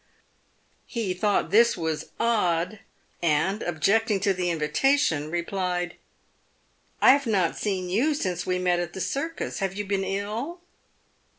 He thought this was odd, and, objecting to the invitation, replied, " I have not seen you since we met at the circus ; have you been ill?"